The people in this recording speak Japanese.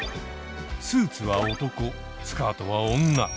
スーツは男スカートは女。